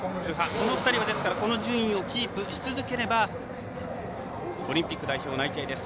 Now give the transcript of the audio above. この２人がこの順位をキープし続ければオリンピック出場内定です。